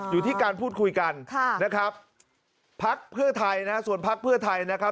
อยู่ที่การพูดคุยกันนะครับพักเพื่อไทยนะ